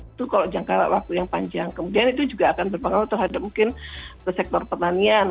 itu kalau jangka waktu yang panjang kemudian itu juga akan berpengaruh terhadap mungkin sektor pertanian